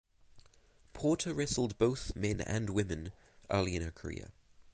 Porter wrestled both men and women early in her career.